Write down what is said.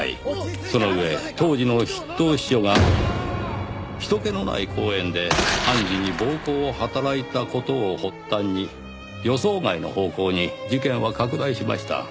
その上当時の筆頭秘書が人けのない公園で判事に暴行を働いた事を発端に予想外の方向に事件は拡大しました。